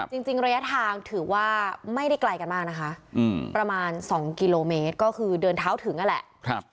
จริงระยะทางถือว่าไม่ได้ไกลกันมากนะคะประมาณ๒กิโลเมตรก็คือเดินเท้าถึงนั่นแหละ